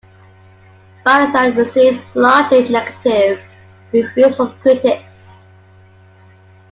"Valentine" received largely negative reviews from critics.